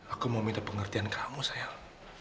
aku mau minta pengertian kamu saya